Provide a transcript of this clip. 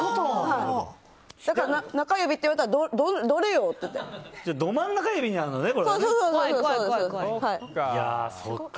だから、中指って言われたらどれをって。じゃあど真ん中指になるんだね。